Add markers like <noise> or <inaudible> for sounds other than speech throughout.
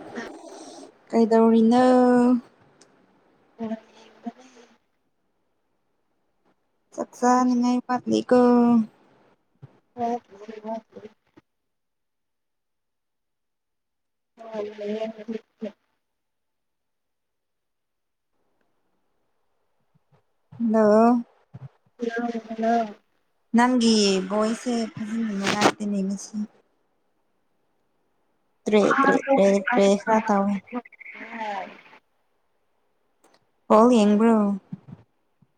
<unintelligible> ꯀꯩꯗꯧꯔꯤꯅꯣ <unintelligible> ꯆꯥꯛꯆꯥꯅꯤꯡꯉꯥꯏ ꯃꯥꯠꯂꯤꯀꯣ <unintelligible> <unintelligible> hello hello hello ꯅꯪꯒꯤ ꯕꯣꯏꯁꯦ <unintelligible> ꯇ꯭ꯔꯦ ꯇ꯭ꯔꯦ ꯇ꯭ꯔꯦ ꯇ꯭ꯔꯦ ꯈꯔ ꯇꯧꯋꯤ <unintelligible> ꯕꯣꯜ ꯌꯦꯡꯕ꯭ꯔꯣ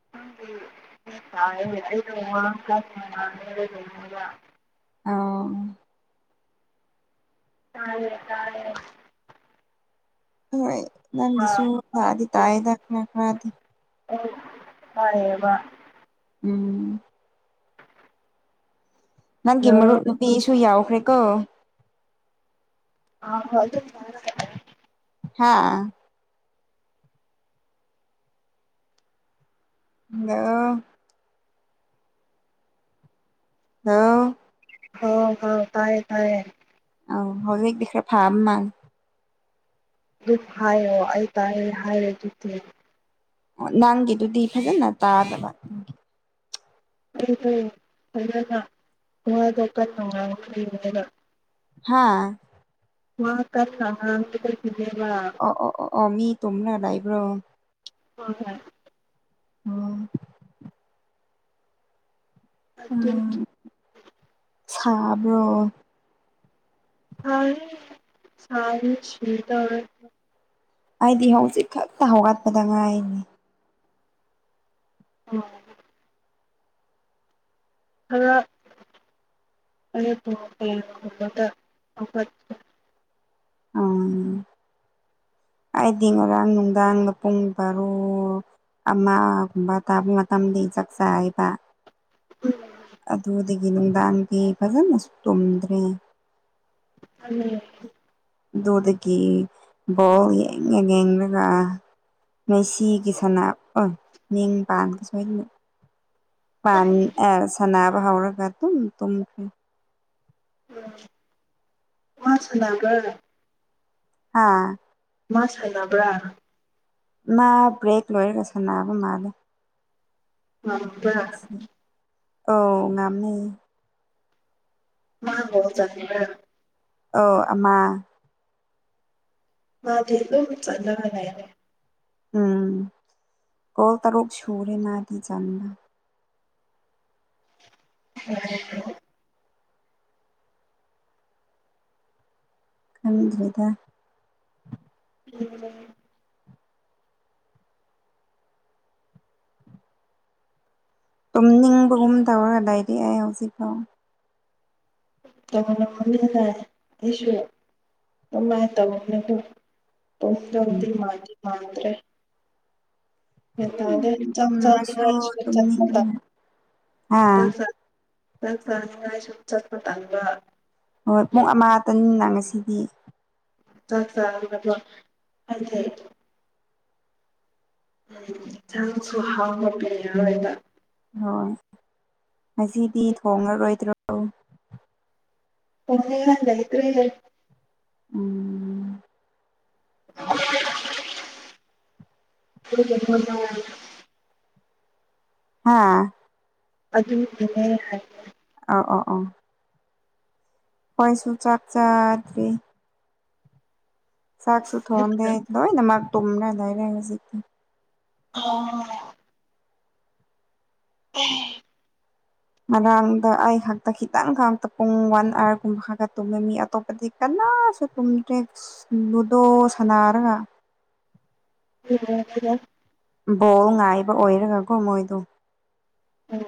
<unintelligible> <unintelligible> ꯑꯧ ꯇꯥꯌꯦ ꯇꯥꯔꯦ ꯍꯣꯏ ꯅꯪꯒꯤꯁꯨ ꯐꯥꯗꯤ ꯇꯥꯏꯌꯦꯗ ꯈꯔ ꯈꯔ ꯗꯤ ꯑꯧ ꯇꯥꯏꯌꯦꯕ ꯎꯝ ꯅꯪꯒꯤ ꯃꯔꯨꯞ ꯅꯨꯄꯤꯁꯨ ꯌꯥꯎꯈ꯭ꯔꯦꯀꯣ <unintelligible> ꯍꯥꯥ <unintelligible> ꯍꯂꯣ ꯍꯣ ꯍꯧ ꯇꯥꯏꯌꯦ ꯇꯥꯏꯌꯦ ꯑꯧ ꯍꯧꯖꯤꯛꯇꯤ ꯈꯔ ꯐꯥꯕ ꯃꯥꯟ <unintelligible> ꯑꯣ ꯅꯪꯒꯤꯗꯨꯗꯤ ꯐꯖꯅ ꯇꯥꯗꯕ ꯑꯩꯗꯣ ꯐꯖꯅ ꯋꯥꯗꯣ ꯀꯟꯅ ꯉꯥꯡꯕ <unintelligible> ꯍꯥꯥ ꯋꯥ ꯀꯟꯅ ꯉꯥꯡꯕꯗꯣ <unintelligible> ꯑꯣ ꯑꯣ ꯑꯣ ꯑꯣ ꯃꯤ ꯇꯨꯝꯅ ꯂꯥꯏꯕ꯭ꯔꯣ ꯍꯣꯏ ꯍꯣꯏ ꯑꯣ ꯑꯗꯨ ꯎꯝ ꯁꯥꯕ꯭ꯔꯣ ꯁꯥꯏꯌꯦ ꯁꯕꯅꯥ ꯁꯤꯗꯧꯔꯦ ꯑꯩꯗꯤ ꯍꯧꯖꯤꯛ ꯈꯛꯇ ꯍꯧꯒꯠꯄꯗ ꯉꯥꯏꯔꯤ <unintelligible> ꯈꯔ <unintelligible> ꯆꯥꯎꯈꯠ ꯎꯝ ꯑꯩꯗꯤ ꯉꯔꯥꯡ ꯅꯨꯡꯗꯥꯡꯗ ꯄꯨꯡ ꯕꯥꯔꯣ ꯑꯃꯒꯨꯝꯕ ꯇꯥꯕ ꯃꯇꯝꯗꯩ ꯆꯥꯛꯆꯥꯥꯏꯌꯦꯕ ꯎꯝ ꯑꯗꯨꯗꯒꯤ ꯅꯨꯡꯗꯥꯡꯗꯤ ꯐꯖꯅꯁꯨ ꯇꯨꯝꯗ꯭ꯔꯦ <unintelligible> ꯑꯗꯨꯗꯒꯤ ꯕꯣꯜ ꯌꯦꯡꯉꯦ ꯌꯦꯡꯔꯒ ꯃꯦꯁꯤꯒꯤ ꯁꯅꯥ <unintelligible> ꯃꯤꯡ ꯄꯥꯟꯒꯦ ꯁꯣꯏꯗꯅ ꯄꯥꯟ ꯑꯦꯁ ꯁꯥꯟꯅꯕ ꯍꯧꯔꯒ ꯑꯗꯨꯝ ꯇꯨꯝꯈ꯭ꯔꯦ ꯫ ꯋꯥꯁ ꯅꯝꯕꯔ ꯍꯥꯥ ꯋꯥꯁ ꯗꯥ ꯅꯝꯕꯔ ꯍꯥꯏꯕ ꯃꯥ ꯕ꯭ꯔꯦꯛ ꯂꯣꯏꯔꯒ ꯁꯥꯟꯅꯕ ꯃꯥꯜꯂꯦ꯫ <unintelligible> ꯑꯧ ꯉꯝꯅꯤ꯫ ꯃꯥ ꯕꫭꯜ ꯆꯥꯟꯅꯤꯡꯕ꯭ꯔꯥ ꯍꯥꯏꯕ ꯑꯧ ꯑꯃꯥ ꯃꯥꯗꯤ ꯑꯗꯨ ꯆꯥꯟꯅꯕ ꯍꯥꯏꯌꯦꯕ ꯎꯝ ꯒꯣꯜ ꯇꯔꯨꯛ ꯁꯨꯔꯦ ꯃꯥꯗꯤ ꯆꯥꯟꯅꯕ <unintelligible> ꯂꯩꯇ꯭ꯔꫭ ꯈꯪꯗ꯭ꯔꯦꯗ <unintelligible> ꯇꯨꯝꯅꯤꯡꯕꯒꯨꯝ ꯇꯧꯔ ꯂꯩꯔꯦ ꯑꯩ ꯍꯧꯖꯤꯛꯐꯥꯎ ꯇꯧꯍꯜꯂꯝꯃꯅꯤꯅ ꯑꯩꯁꯨ ꯑꯗꯨꯃꯥꯏ ꯇꯧꯔꯕꯅꯦꯀꯣ ꯇꫭꯡꯇꯨꯕꯗꯤ ꯃꯥꯟꯗꯤ ꯃꯥꯟꯗ꯭ꯔꯦ꯫ ꯃꯦꯇꯜꯗ ꯆꯥꯛ ꯆꯥꯒꯦ ꯇꯨꯝꯔꯁꯨ ꯍꯥꯏꯔꯁꯨ ꯇꯨꯝꯅꯤꯡꯕꯅ ꯍꯥ <unintelligible> ꯆꯥꯛ ꯆꯥꯅꯤꯡꯉꯥꯏꯁꯨ ꯆꯠꯄ ꯇꯥꯟꯕ ꯍꯣꯏ ꯄꯨꯡ ꯑꯃꯇꯪꯅꯤꯅ ꯉꯁꯤꯗꯤ ꯆꯥꯛ ꯆꯥꯔꯒꯥ ꯀꫭ ꯍꯥꯏꯗꯤ ꯎꯝ ꯏꯟꯁꯥꯡꯁꯨ ꯍꯥꯎꯅꯕ ꯄꯤꯔꯔꯣꯏꯕ ꯍꯣꯏ ꯉꯁꯤꯗꯤ ꯊꯣꯉꯔꯣꯏꯗ꯭ꯔꯣ꯫ <unintelligible> ꯂꯩꯈ꯭ꯔꯦ ꯎꯝ꯫ <unintelligible> ꯍꯥꯥ ꯑꯗꯨꯒꯤꯅꯦ ꯍꯥꯏꯕ ꯑꯥꯎ ꯑ ꯑ ꯑꯩꯈꫭꯏꯁꯨ ꯆꯥꯛ ꯆꯥꯗ꯭ꯔꯤ꯫ ꯆꯥꯛꯁꯨ ꯊꫭꯡꯗꯦ ꯍꯥꯏꯕꯁꯦ ꯂꫭꯏꯅꯃꯛ ꯇꯨꯝꯔ ꯂꯩꯔꯦ ꯉꯁꯤ ꯑꯣ ꯑꯦ ꯉꯔꯥꯡꯗ ꯑꯩ ꯍꯥꯛꯇ ꯈꯤꯇꯪ ꯈꯠꯇ ꯄꯨꯡ ꯋꯥꯟ ꯑꯋꯥꯔꯒꯨꯝꯕ ꯈꯠꯇ ꯇꯨꯝꯃꯤ ꯃꯤ ꯑꯇꯣꯞꯄꯗꯤ ꯀꯅꯥꯁꯨ ꯇꯨꯝꯗ꯭ꯔꯦ ꯑꯁ ꯂꯨꯗꯣ ꯁꯥꯟꯅꯔꯒ <unintelligible> ꯕꯣꯜ ꯉꯥꯏꯕ ꯑꯣꯏꯔꯒꯀꯣ ꯃꯣꯏꯗꫭ ꯎꯝ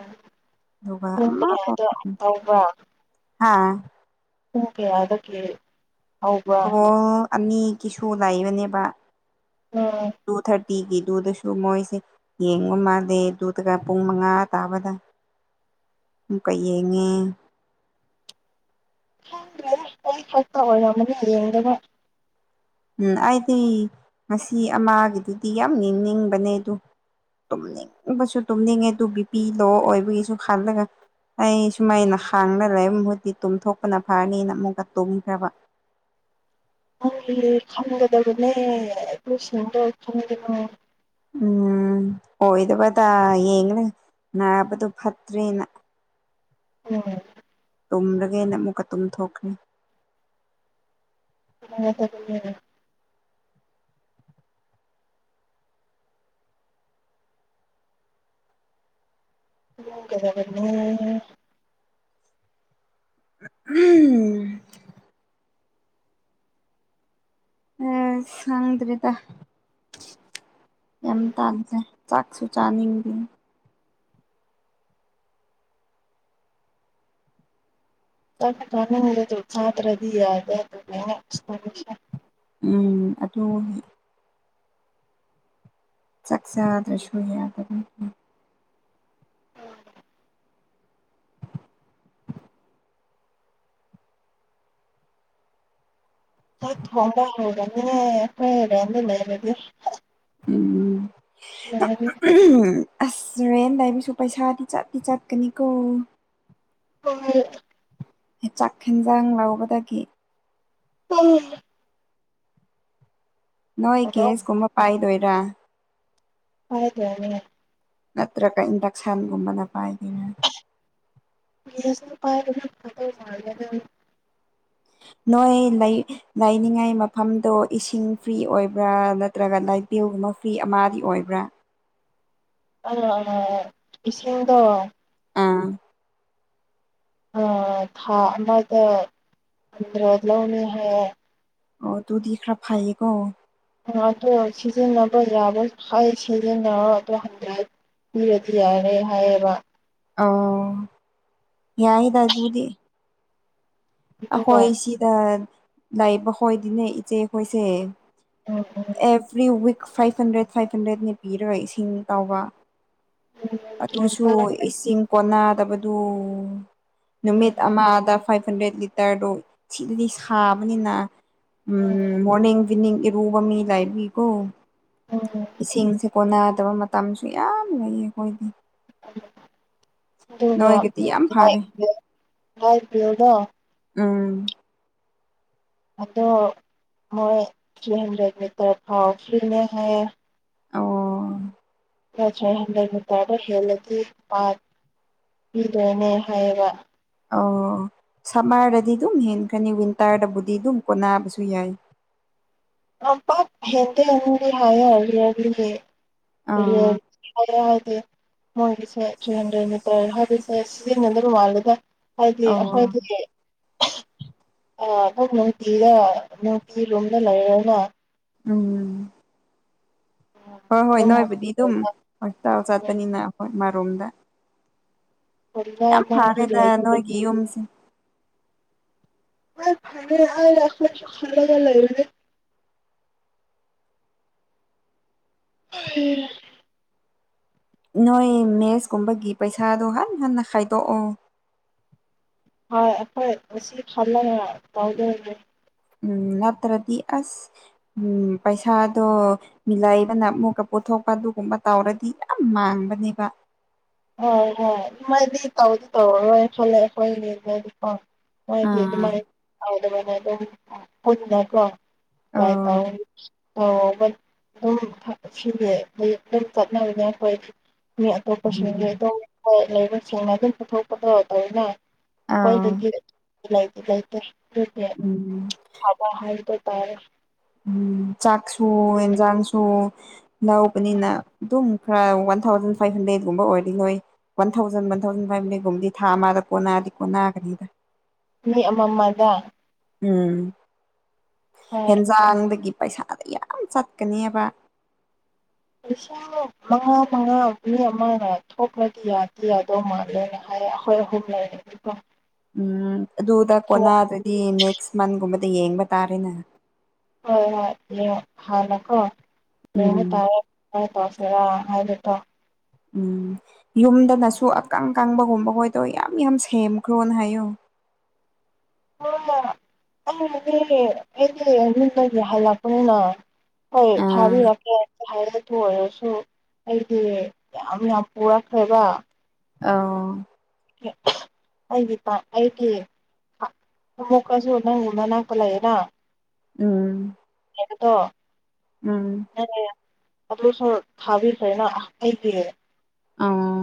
ꯑꯗꯨꯒ ꯄꯨꯡ ꯀꯌꯥꯗꯣ ꯇꯧꯕ ꯍꯥꯥ ꯄꯨꯡ ꯀꯌꯥꯗ ꯀꯦ ꯑꯣ ꯑꯅꯤꯒꯤꯁꯨ ꯂꯩꯕꯅꯦꯕ ꯎꯝ ꯇꯨ ꯊꯥꯔ ꯇꯤꯒꯤꯗꯨꯗꯁꯨ ꯃꯣꯏꯁꯦ ꯌꯦꯡꯕ ꯃꯥꯜꯂꯦ ꯑꯗꯨꯗꯨꯒ ꯄꯨꯡ ꯃꯉꯥ ꯇꯥꯕꯗ ꯑꯃꯨꯛꯀ ꯌꯦꯡꯉꯦ ꯈꯪꯗ꯭ꯔꯦꯍꯦ ꯃꫭꯏ ꯊꫭꯡ ꯇꯧꯔꯝꯃꯅꯤ ꯌꯦꯡꯗꯥꯕ ꯎꯝ ꯑꯩꯗꯤ ꯉꯁꯤ ꯑꯃꯒꯤꯗꯨꯗꯤ ꯌꯥꯝ ꯌꯦꯡꯅꯤꯡꯕꯅꯦ ꯑꯗꯨ ꯇꯨꯝꯅꯤꯡꯕꯁꯨ ꯇꯨꯝꯅꯤꯡꯉꯦ ꯑꯗꯨ ꯕꯤ ꯄꯤ ꯂꯣ ꯑꯣꯏꯕꯒꯤꯁꯨ ꯈꯜꯂꯒ ꯑꯩ ꯁꯨꯃꯥꯏꯅ ꯍꯥꯡꯔ ꯂꯩꯕ ꯃꯍꯨꯠꯇꯤ ꯇꯨꯝꯊꯣꯛꯄꯅ ꯐꯔꯅꯤꯅ ꯑꯃꯨꯛꯀ ꯇꯨꯝꯈ꯭ꯔꯕ꯫ ꯅꯪꯒꯤ ꯈꯟꯒꯗꯕꯅꯦ ꯑꯩꯈꯣꯏꯁꯤꯡꯗꯣ ꯈꯟꯒꯅꯣ꯫ ꯎꯝ ꯑꯣꯏꯗꯕꯗ ꯌꯦꯡꯔꯒ ꯅꯥꯕꯗꯣ ꯐꯠꯇ꯭ꯔꯦꯅ꯫ ꯎꯝ꯫ ꯇꯨꯝꯔꯒꯦꯅ ꯑꯃꯨꯛꯀ ꯇꯨꯝꯊꯣꯛꯈ꯭ꯔꯦ꯫ <unintelligible> ꯅꯒꯗꯕꯅꯦ꯫ ꯇꯨꯝꯒꯗꯕꯅꯦ꯫ ꯎꯝ꯫ ꯑꯁ ꯈꯪꯗ꯭꯭ꯔꯦꯗ꯫ ꯌꯥꯝ ꯇꯟꯂꯦ ꯆꯥꯛꯁꯨ ꯆꯥꯅꯤꯡꯗꯦ꯫ ꯆꯥꯛ ꯆꯥꯅꯤꯡꯕꯗꯨ ꯆꯥꯗ꯭ꯔꯗꯤ ꯌꯥꯗꯦ ꯑꯗꯨꯒꯤꯅꯦ ꯁꯦꯝꯃꯤꯁꯦ꯫ ꯎꯝ ꯑꯗꯨꯒꯤ꯫ ꯆꯥꯛ ꯆꯥꯗ꯭ꯔꯁꯨ ꯌꯥꯗꯕ <unintelligible> ꯆꯥꯛ ꯊꯣꯡꯕ ꯍꯧꯒꯅꯦ ꯑꯩꯈꯣꯏ ꯔꯦꯟꯗ ꯂꯩꯕꯗꯤ꯫ ꯎꯝ꯫ <unintelligible> ꯑꯁ ꯔꯦꯟꯠ ꯂꯩꯕꯁꯨ ꯄꯩꯁꯥꯗꯤ ꯆꯠꯇꯤ ꯆꯠꯀꯅꯤꯀꯣ꯫ ꯍꯣꯏ꯫ ꯆꯥꯛ ꯍꯦꯟꯖꯥꯡ ꯂꯧꯕꯗꯒꯤ ꯑ꯫ ꯅꯣꯏ ꯑꯗꯣ ꯀꯦꯁꯀꯨꯝꯕ ꯄꯥꯏꯗꯣꯏꯔꯥ꯫ ꯄꯥꯏꯗꯣꯏꯅꯦ꯫ ꯅꯠꯇ꯭ꯔꯒ ꯏꯟꯗꯛꯁꯟꯒꯨꯝꯕꯅ ꯄꯥꯏꯒꯦꯔꯥ꯫ ꯒꯦꯁꯅ ꯄꯥꯏꯕꯅ ꯐꯗꯧ ꯃꯥꯜꯂꯦꯗ꯫ ꯅꯣꯏ ꯂꯥꯏꯅꯤꯡꯉꯥꯏ ꯃꯐꯝꯗꯣ ꯏꯁꯤꯡ ꯐ꯭ꯔꯤ ꯑꯣꯏꯕ꯭ꯔꯥ ꯅꯠꯇ꯭ꯔꯒ ꯂꯥꯏꯠ ꯄꯤꯌꯣꯒꯨꯝꯕ ꯐ꯭ꯔꯤ ꯑꯃꯗꯤ ꯑꯣꯏꯕ꯭ꯔꯥ꯫ ꯑ ꯑ ꯏꯁꯤꯡꯗꯣ ꯑꯥ꯫ ꯑ ꯊꯥ ꯑꯃꯗ ꯍꯟꯗ꯭ꯔꯦꯗ ꯂꯧꯅꯤ ꯍꯥꯏꯌꯦ꯫ ꯑꯣ ꯇꯨꯗꯤ ꯈ꯭ꯔ ꯐꯩꯌꯦꯀꯣ꯫ ꯑ ꯑꯗꯣ ꯁꯤꯖꯤꯟꯅꯕ ꯌꯥꯕꯈꯩ ꯁꯤꯖꯤꯟꯅꯔꯣ ꯑꯗꯣ ꯍꯟꯗ꯭ꯔꯦꯗ ꯄꯤꯔꯗꯤ ꯌꯥꯔꯦ ꯍꯥꯏꯌꯦꯕ꯫ ꯑꯣ ꯌꯥꯏꯗ ꯑꯗꯨꯗꯤ꯫ ꯑꯗꯨꯒ ꯑꯩꯈꯣꯏ ꯁꯤꯗ ꯂꯕꯈꯣꯏꯗꯤꯅꯦ ꯏꯆꯦꯈꯣꯏꯁꯦ <inaudible> every week five hundred five ꯍꯟꯗ꯭ꯔꯦꯠꯅꯦ ꯄꯤꯔꯣꯏ ꯏꯁꯤꯡ ꯇꯧꯕ꯫ ꯎꯝ ꯎꯝ ꯑꯗꯨꯁꯨ ꯏꯁꯤꯡ ꯀꯣꯟꯅꯗꯕꯗꯨ꯫ ꯅꯨꯃꯤꯠ ꯑꯃꯗ ꯐꯥꯏꯚ ꯍꯟꯗ꯭ꯔꯦꯠ ꯂꯤꯇꯔꯗꯣ ꯁꯤꯗꯗꯤ ꯁꯥꯕꯅꯤꯅ ꯎꯝ ꯃꯣꯔꯅꯤꯡ ꯏꯚꯤꯅꯤꯡ ꯏꯔꯨꯕ ꯃꯤ ꯂꯩꯕꯒꯤꯀꯣ ꯎꯝ ꯏꯁꯤꯡꯁꯦ ꯀꯣꯟꯅꯗꯕ ꯃꯇꯝꯁꯨ ꯌꯥꯝ ꯂꯩꯌꯦ ꯑꯩꯈꯣꯏꯗꯤ꯫ ꯑꯗꯨꯒ ꯅꯣꯏꯒꯤꯗꯤ ꯌꯥꯝ ꯂꯥꯏꯠ ꯐꯔꯦ ꯕꯤꯜ ꯂꯥꯏꯠ ꯕꯤꯜꯗꯣ꯫ ꯎꯝ꯫ ꯑꯗꯣ ꯃꯣꯏ ꯊ꯭ꯔꯤ ꯍꯟꯗ꯭ꯔꯦꯗ ꯃꯤꯇꯔ ꯐꯥꯎ ꯐ꯭ꯔꯤꯅꯦ ꯍꯥꯏꯌꯦ꯫ ꯑꯣ <unintelligible> ꯊ꯭ꯔꯤ ꯍꯟꯗ꯭ꯔꯦꯗ ꯃꯤꯇꯔꯗꯣ ꯍꯦꯜꯂꯗꯤ <unintelligible> ꯄꯤꯗꯣꯏꯅꯦ ꯍꯥꯏꯌꯦꯕ꯫ ꯑꯣ ꯁꯝꯃꯔꯗꯗꯤ ꯑꯗꯨꯝ ꯍꯦꯟꯈ꯭ꯔꯅꯤ ꯋꯤꯟꯇꯔꯗꯕꯨꯗꯤ ꯑꯗꯨꯝ ꯀꯣꯟꯅꯕꯁꯨ ꯌꯥꯏ <unintelligible> ꯍꯦꯟꯗꯦ ꯅꯪꯗꯤ ꯍꯥꯏꯌꯦ <unintelligible> ꯍꯌꯦꯡ ꯑꯥ ꯑꯗꯣ ꯍꯥꯏꯗꯤ ꯃꯣꯏꯒꯤꯁꯦ ꯊ꯭ꯔꯤ ꯍꯟꯗ꯭ꯔꯦꯠ ꯃꯤꯇꯔ ꯍꯥꯏꯕꯁꯦ ꯁꯤꯖꯤꯟꯅꯗꯕ ꯃꯥꯜꯂꯦꯗ ꯍꯥꯏꯗꯤ ꯑꯣ ꯑꯩꯈꯣꯏꯒꯤ <unintelligible> ꯅꯨꯡꯇꯤꯔꯥ ꯅꯨꯡꯇꯤ ꯔꯨꯝꯗ ꯂꯩꯔꯅ ꯎꯝ ꯍꯣꯏ ꯍꯣꯏ ꯑꯗꯨꯝ ꯅꯣꯏꯕꯨꯗꯤ ꯑꯗꯨꯝ ꯍꯣꯁꯇꯦꯜꯗ ꯍꯣꯁꯄꯤꯇꯥꯜ ꯆꯠꯄꯅꯤꯅ ꯑꯩꯈꯣꯏ ꯑꯃꯔꯣꯝꯗ ꯀꯣꯂꯤꯖꯥ ꯌꯥꯝ ꯃꯛꯇꯤ ꯐꯥꯔꯦꯗ ꯂꯩꯕ ꯅꯣꯏꯒꯤ ꯌꯨꯝꯁꯦ ꯍꯣꯏ ꯐꯔꯦ <unintelligible> ꯑꯩꯈꯣꯏꯁꯨ ꯈꯜꯂꯒ ꯂꯩꯕꯅꯦ <unintelligible> ꯅꯣꯏ ꯃꯦꯁꯀꯨꯝꯕꯒꯤ ꯄꯩꯁꯥꯗꯣ ꯍꯟ ꯍꯟꯅ ꯈꯥꯏꯗꯣꯛꯑꯣ ꯍꯣꯏ ꯑꯩꯈꯣꯏ ꯉꯁꯤ ꯈꯜꯂꯒ ꯇꯧꯗꯣꯏꯅꯤ ꯎꯝ ꯅꯠꯇ꯭ꯔꯗꯤ ꯑꯁ ꯎꯝ ꯄꯩꯁꯥꯗꯣ ꯃꯤ ꯂꯩꯕꯅ ꯑꯃꯨꯛꯀ ꯄꯨꯊꯣꯛꯄ ꯑꯗꯨꯒꯨꯝꯕ ꯇꯧꯔꯗꯤ ꯌꯥꯝ ꯃꯥꯡꯕꯅꯤꯕ ꯍꯣꯏ ꯍꯣꯏ ꯃꯥꯗꯤ ꯇꯧꯗꯤ ꯇꯧꯔꯔꯣꯏ ꯈꯜꯂꯦ ꯑꯩꯈꯣꯏꯒꯤ ꯃꯗꯤꯀꯣ ꯃꯣꯏꯗꯤ ꯑꯥ ꯑꯗꯨꯃꯥꯏ ꯇꯧꯗꯕꯅꯦ ꯑꯗꯨꯝ ꯄꯨꯟꯅꯀꯣ <unintelligible> <unintelligible> ꯑꯥ ꯑꯗꯨꯝ ꯁꯤꯗꯤ ꯑꯗꯨꯝ ꯆꯠꯅꯔꯤꯅꯦ ꯑꯩꯈꯣꯏ ꯃꯤ ꯑꯇꯣꯞ <unintelligible> ꯂꯩꯕꯁꯤꯡꯅ ꯑꯗꯨꯝ ꯄꯨꯊꯣꯛꯄꯗꯣ ꯇꯧꯕ ꯑꯥ ꯑꯩꯈꯣꯏꯗꯒꯤ ꯎꯝ <unintelligible> ꯐꯕ ꯍꯥꯏꯕꯗꯨ ꯇꯥꯔꯦ ꯎꯝ ꯆꯥꯛꯁꯨ ꯏꯟꯖꯥꯡꯁꯨꯨ ꯂꯧꯕꯅꯤꯅ ꯑꯗꯨꯝ ꯈꯔ ꯋꯥꯟ ꯊꯥꯎꯖꯟ ꯐꯥꯏꯚ ꯍꯟꯗ꯭ꯔꯦꯠꯀꯨꯝꯕ ꯑꯣꯏꯔꯗꯤ ꯅꯣꯏ one thousand one thousand five ꯍꯟꯗ꯭ꯔꯦꯠꯀꯨꯝꯕꯗꯤ ꯊꯥ ꯑꯃꯗ ꯀꯣꯟꯅꯗꯤ ꯀꯣꯟꯅꯒꯅꯤꯗ ꯃꯤ ꯑꯃ ꯃꯥꯗ ꯎꯝ ꯍꯣꯏ ꯍꯦꯟꯖꯥꯡꯗꯒꯤ ꯄꯩꯁꯥꯗꯒꯤ ꯌꯥꯝ ꯆꯠꯀꯅꯤꯕ <unintelligible> ꯃꯉꯥ ꯃꯉꯥ ꯃꯤ ꯑꯃꯅ ꯊꯣꯛꯈ꯭ꯔꯗꯤ ꯌꯥꯗꯤ ꯌꯥꯗꯧ ꯃꯥꯜꯂꯦ ꯍꯥꯏꯌꯦ ꯑꯩꯈꯣꯏ ꯑꯍꯨꯝ ꯂꯩꯔꯤ <unintelligible> ꯎꯝ ꯑꯗꯨꯗ ꯀꯣꯟꯅꯥꯗꯗꯤ ꯅꯦꯛꯁ ꯃꯟꯒꯨꯝꯕꯗ ꯌꯦꯡꯕ ꯇꯥꯔꯦꯅ ꯍꯣꯏ ꯍꯣꯏ ꯌꯦꯡ ꯍꯥꯟꯅꯀꯣ ꯌꯦꯡꯕ ꯎꯝ ꯇꯥꯔꯦ ꯀꯔꯤ ꯇꯧꯁꯤꯔꯥ ꯍꯥꯏꯕꯗꯣ ꯎꯝ ꯌꯨꯝꯗꯅꯁꯨ ꯑꯀꯪ ꯑꯀꯪꯕꯒꯨꯝꯕ ꯒꯣꯏꯗꯣ ꯌꯥꯝ ꯌꯥꯝ ꯁꯦꯝꯈ꯭ꯔꯣꯅ ꯍꯥꯏꯌꯣ ꯍꯣꯏ ꯑꯩꯅꯗꯤ ꯑꯩꯗꯤ ꯌꯨꯝꯗꯒꯤ ꯍꯜꯂꯛꯄꯅꯤꯅ ꯍꯣꯏ ꯑꯥ ꯊꯥꯕꯤꯔꯛꯀꯦ <unintelligible> ꯇꯨ ꯑꯣꯏꯔꯁꯨ ꯑꯩꯗꯤ ꯌꯥꯝ ꯌꯥꯝ ꯄꯨꯔꯛꯈ꯭ꯔꯦꯕ ꯑꯥ ꯑꯩꯒꯤ ꯇꯥꯏꯞ ꯑꯩꯒꯤ ꯑꯃꯨꯛꯀꯁꯨ ꯅꯪꯒꯤ ꯅꯥꯅꯛꯇ ꯂꯩꯌꯦꯅ ꯎꯝ ꯑꯗꯣ ꯎꯝ ꯑꯗꯨꯁꯨ ꯊꯥꯕꯤꯈ꯭ꯔꯦꯅ ꯑꯩꯗꯤ ꯑꯧ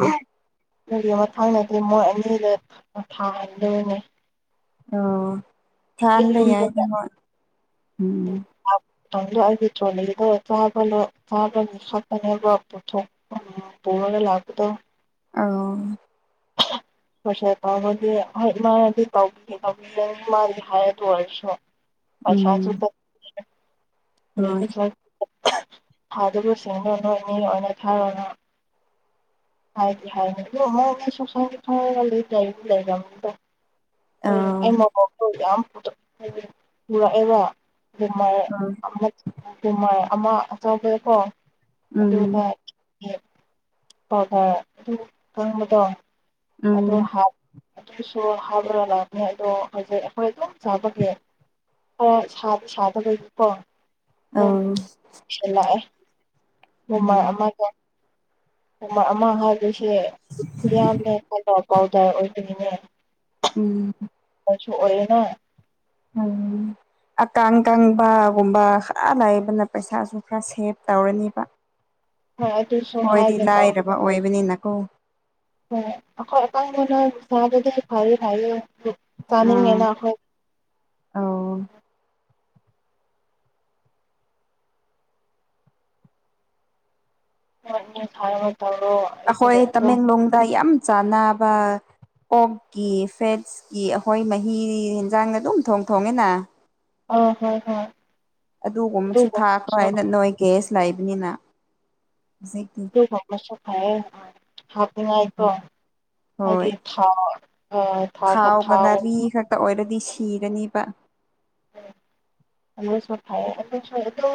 ꯑꯗꯨꯒꯤ ꯃꯊꯪꯗꯗꯤ ꯃꯣꯏ ꯑꯅꯤꯗ ꯊꯥꯍꯟꯗꯣꯏꯅꯦ <unintelligible> <unintelligible> ꯊꯥꯍꯟꯕ ꯌꯥꯏꯗ ꯍꯣꯏ ꯎꯝ ꯇꯨꯡꯗ ꯑꯩꯒꯤ ꯇꯔꯣꯂꯤꯗꯣ <unintelligible> ꯄꯨꯊꯣꯛ <inaudible> ꯄꯨꯔꯒ ꯂꯥꯛꯄꯗꯣ ꯑꯥꯎ <inaudible> <unintelligible> ꯗꯨ ꯑꯣꯏꯔꯁꯨ ꯄꯩꯁꯥꯁꯨ ꯎꯝ ꯇꯣꯛ ꯍꯣꯏ <unintelligible> ꯊꯥ ꯑꯗꯨꯕꯨ <unintelligible> ꯅꯣꯏꯅꯤ ꯑꯣꯏꯅ ꯊꯥꯔꯒ <unintelligible> ꯍꯣꯏ ꯑꯧ ꯑꯩ ꯃꯕꯣꯛꯇꯣ ꯌꯥꯝ <inaudible> ꯄꯨꯔꯛꯑꯦꯕ ꯍꯣꯏ <unintelligible> ꯑꯃ ꯑꯆꯧꯕꯀꯣ ꯎꯝ ꯑꯗꯨꯒ ꯄꯥꯎ ꯐꯥꯎꯔꯛ ꯑꯗꯨꯝ ꯈꯥꯡꯕꯗꯣ ꯑꯗꯣ ꯎꯝ ꯍꯥꯞ ꯑꯗꯨꯁꯨ ꯍꯥꯏꯕ ꯂꯥꯛꯑꯅꯤ ꯑꯗꯣ ꯍꯧꯖꯤꯛ ꯑꯩꯈꯣꯏ ꯑꯗꯨꯝ ꯆꯥꯎꯕꯒꯤ <unintelligible> ꯁꯥꯖꯨ ꯁꯥꯗꯕꯩ ꯀꯣ ꯎꯝ ꯁꯦ ꯂꯥꯛꯑꯦ ꯅꯣꯡꯃꯥ ꯎꯝ ꯑꯃꯒ ꯅꯣꯡꯃꯥ ꯑꯃ ꯍꯥꯏ ꯑꯗꯨꯁꯦ ꯃꯌꯥꯝꯅ <unintelligible> ꯄꯥꯎꯗꯔ ꯑꯣꯏꯕꯅꯤꯅꯦ ꯎꯝ ꯑꯣꯏꯁꯨ ꯑꯣꯏꯔꯦꯅ ꯎꯝ ꯑꯀꯥꯡ ꯀꯪꯕ ꯒꯨꯝꯕ ꯈꯔ ꯂꯩꯕꯅ ꯄꯩꯁꯥꯁꯨ ꯈꯔ ꯁꯦꯞ ꯇꯧꯔꯅꯤꯕ ꯍꯣꯏ ꯑꯗꯨꯁꯨ ꯈꯣꯏꯗꯤ ꯍꯥꯏꯒꯦ ꯇꯧ ꯂꯥꯏꯔꯕ ꯑꯣꯏꯕꯅꯤꯅꯀꯣ ꯍꯣꯏ ꯑꯈꯣꯏ ꯑꯀꯪꯕꯅ ꯆꯥꯕꯗꯤ ꯐꯩꯔꯤ ꯐꯩꯌꯦ ꯑꯥ ꯆꯥꯅꯤꯡꯉꯦꯅ ꯑꯈꯣꯏ ꯑꯧ <unintelligible> ꯑꯈꯣꯏ ꯑꯗꯨꯝ ꯇꯥꯃꯦꯡꯂꯣꯡꯗ ꯌꯥꯝ ꯆꯥꯟꯅꯕ ꯑꯣꯛꯀꯤ ꯐꯦꯠꯁꯀꯤ ꯑꯈꯣꯏ ꯃꯍꯤ ꯍꯤꯟꯖꯥꯡꯅ ꯑꯗꯨꯝ ꯊꯣꯡ ꯊꯣꯡꯉꯦꯅꯥ ꯑꯣ ꯍꯣꯏ ꯍꯣꯏ ꯑꯗꯨꯒꯨꯝꯕꯁꯨ ꯊꯥꯈ꯭ꯔꯣꯏ ꯑꯗꯨꯒꯨꯝꯕꯁꯨ ꯅꯣꯏ ꯒꯦꯁ ꯂꯩꯕꯅꯤꯅ ꯍꯨꯖꯤꯛ ꯑꯗꯨꯒꯨꯝꯕꯁꯨ ꯐꯩꯌꯦ ꯍꯥꯄꯅꯤꯉꯥꯏꯀꯣ ꯍꯣꯏ ꯍꯥꯏꯗꯤ ꯊꯥꯎ ꯑꯥ ꯊꯥꯎꯀꯥ ꯊꯥꯎ ꯇꯥ ꯑꯣꯏꯔꯗꯤ ꯁꯤꯔꯅꯤꯕ ꯑꯗꯨꯁꯨ ꯐꯩꯌꯦ ꯑꯗꯨꯁꯨ ꯑꯗꯨ